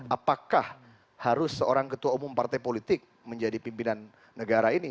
apakah harus seorang ketua umum partai politik menjadi pimpinan negara ini